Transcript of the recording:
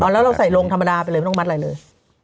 แล้วเราใส่ลงธรรมดาไปเลยไม่ต้องมัดอะไรเลย